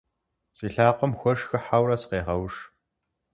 Си лъакъуэм хуэш хыхьэурэ сыкъегъэуш.